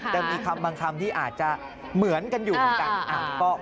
จะมีคำบางคำที่อาจจะเหมือนกันอยู่เหมือนกัน